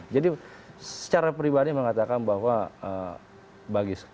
jadi secara pribadi mengatakan bahwa bagi